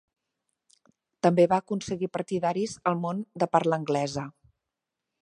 També va aconseguir partidaris al món de parla anglesa.